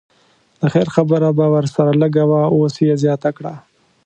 د خیر خبره به ورسره لږه وه اوس یې زیاته کړه.